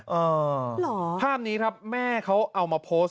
เหรอภาพนี้ครับแม่เขาเอามาโพสต์